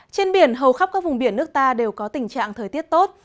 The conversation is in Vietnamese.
trên biển hầu khắp các vùng biển nước ta đều có tình trạng thời tiết tốt